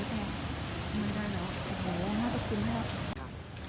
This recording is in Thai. สวัสดีครับสวัสดีครับ